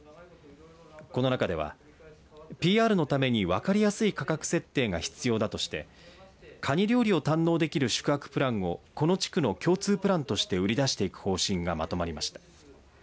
この中ではＰＲのために分かりやすい価格設定が必要だとしてカニ料理を堪能できる宿泊プランをこの地区の共通プランとして売り出していく方針がまとまりました。